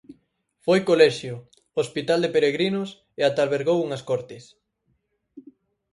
Foi colexio, hospital de peregrinos e ata albergou unhas cortes.